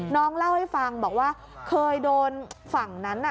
น้องเล่าให้ฟังบอกว่าเคยโดนฝั่งนั้นน่ะ